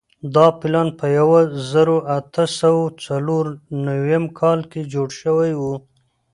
دا پلان په یوه زرو اتو سوو څلور نوېم کال کې جوړ شوی وو.